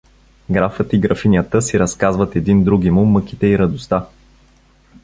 Графът и графинята си разказват един другиму мъките и радостта.